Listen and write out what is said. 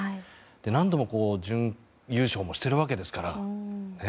何度も準優勝もしているわけですからね。